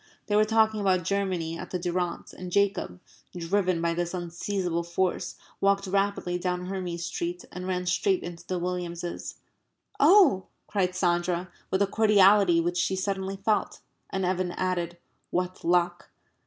They were talking about Germany at the Durrants, and Jacob (driven by this unseizable force) walked rapidly down Hermes Street and ran straight into the Williamses. "Oh!" cried Sandra, with a cordiality which she suddenly felt. And Evan added, "What luck!"